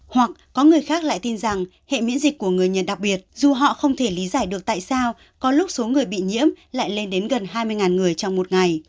hoặc có người khác lại tin rằng hệ miễn dịch của người nghiện đặc biệt dù họ không thể lý giải được tại sao có lúc số người bị nhiễm lại lên đến gần hai mươi người trong một ngày